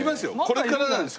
これからなんですよ。